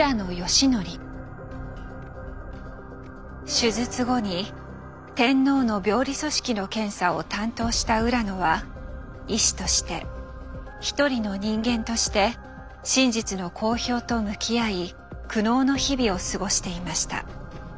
手術後に天皇の病理組織の検査を担当した浦野は医師として一人の人間として「真実の公表」と向き合い苦悩の日々を過ごしていました。